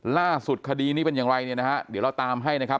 ล่าสุดคดีนี้เป็นอย่างไรเนี่ยนะฮะเดี๋ยวเราตามให้นะครับ